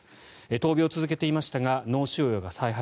闘病を続けていましたが脳腫瘍が再発。